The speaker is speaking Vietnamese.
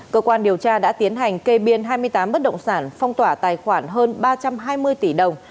cơ quan điều tra đã tiến hành kê biên hai mươi tám bất động sản phong tỏa tài khoản hơn ba trăm hai mươi tỷ đồng